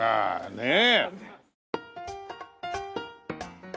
ねえ。